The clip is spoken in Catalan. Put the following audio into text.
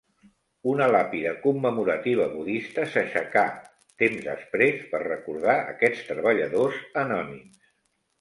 Una làpida commemorativa budista s'aixecà, temps després, per recordar aquests treballadors anònims.